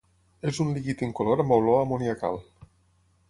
És un líquid incolor amb olor amoniacal.